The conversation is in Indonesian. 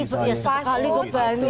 ya sesekali gue bantu